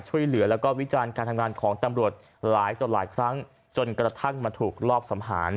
ช่วยเหลือแล้วก็วิจารณ์การทำงานของตำรวจหลายต่อหลายครั้งจนกระทั่งมาถูกรอบสังหาร